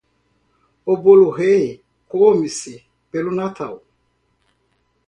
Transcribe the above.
O Bolo Rei come-se pelo Natal.